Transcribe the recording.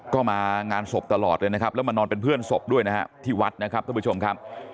ก็มางานศพตลอดเลยนะครับแล้วมานอนเป็นเพื่อนศพด้วยนะฮะที่วัดนะครับท่านผู้ชมครับ